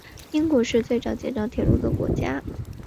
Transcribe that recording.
英国是最早建造铁路的国家。